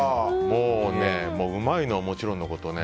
もうねうまいのはもちろんのこと